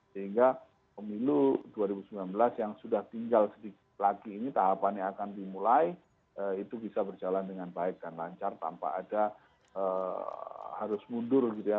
sehingga pemilu dua ribu sembilan belas yang sudah tinggal sedikit lagi ini tahapannya akan dimulai itu bisa berjalan dengan baik dan lancar tanpa ada harus mundur gitu ya